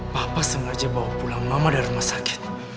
papa sengaja bawa pulang mama dari rumah sakit